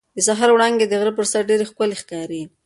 د سهار وړانګې د غره پر سر ډېرې ښکلې ښکاري.